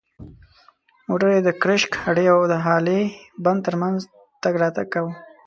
موټر یې د کرشک هډې او د هالې بند تر منځ تګ راتګ کاوه.